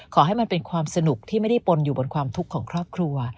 ขอให้มันเป็นความสนุกที่ไม่ได้ปนอยู่บนความทุกข์ของครอบครัว